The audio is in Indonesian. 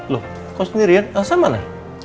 loh kau sendiri ya elsa mana